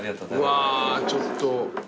うわちょっと。